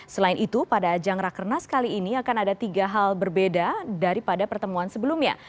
selain itu pada ajang rakernas kali ini akan ada tiga hal berbeda daripada pertemuan sebelumnya